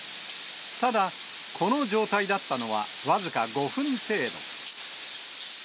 ただ、この状態だったのは僅か５分程度。